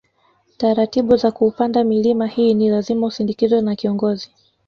Taratibu za kuupanda milima hii ni lazima usindikizwe na kiongozi